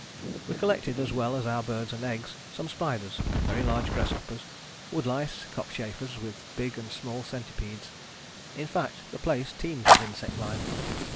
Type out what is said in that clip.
"We collected, as well as our birds and eggs, some spiders, very large grasshoppers, wood lice, cockchafers, with big and small centipedes. In fact, the place teemed with insect life.